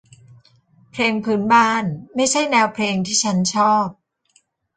เพลงพื้นบ้านไม่ใช่แนวเพลงที่ฉันชอบ